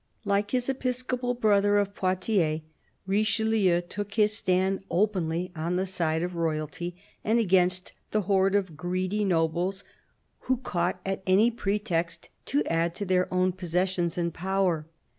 ..." Like his episcopal brother of Poitiers, Richelieu took his stand openly on the side of Royalty and against the horde of greedy nobles who caught at any pretext to add to their own possessions and power.